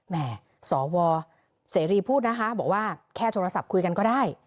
แม่สวเสรีพูดนะคะบอกว่าแค่โทรศัพท์คุยกันก็ได้